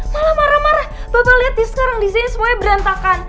malah marah marah bapak liat nih sekarang disini semuanya berantakan